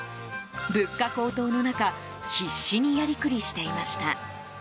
物価高騰の中必死にやりくりしていました。